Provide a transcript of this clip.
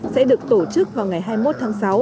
sẽ được tổ chức vào ngày hai mươi một tháng sáu